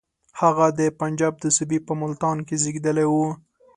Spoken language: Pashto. هغه د پنجاب د صوبې په ملتان کې زېږېدلی وو.